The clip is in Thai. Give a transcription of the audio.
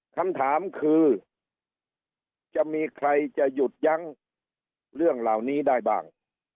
คำถามคือจะมีใครจะหยุดยั้งเรื่องเหล่านี้ได้บ้าง